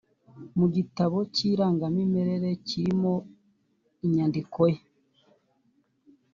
mu gitabo cy irangamimerere kirimo inyandiko ye